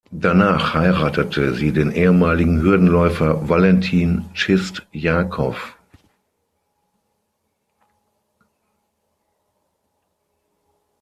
Danach heiratete sie den ehemaligen Hürdenläufer Walentin Tschistjakow.